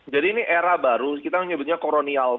jadi ini era baru kita menyebutnya koronial